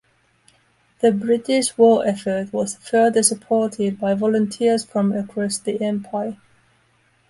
The British war effort was further supported by volunteers from across the Empire.